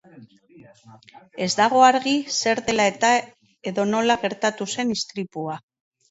Ez dago argi zer dela eta edo nola gertatu zen istripua.